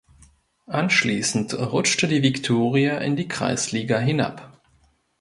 Anschließend rutschte die Victoria in die Kreisliga hinab.